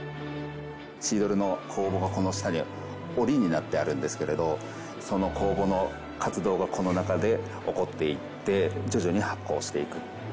シードルの酵母がこの下にオリになってあるんですけれどその酵母の活動がこの中で起こっていって徐々に発酵していく。